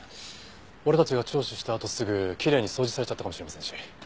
俺たちが聴取したあとすぐきれいに掃除されちゃったかもしれませんし。